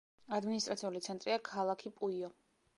ადმინისტრაციული ცენტრია ქალაქი პუიო.